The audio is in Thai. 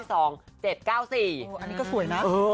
อันนี้ก็สวยนะ